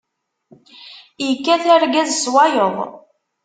Ikkat argaz s wayeḍ.